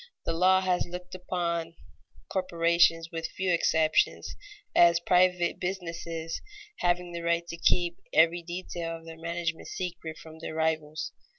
_ The law has looked upon corporations, with few exceptions, as private businesses, having the right to keep every detail of their management secret from their rivals.